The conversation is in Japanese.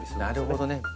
なるほどね。